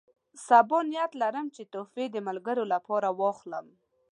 سبا نیت لرم چې تحفې د ملګرو لپاره واخلم.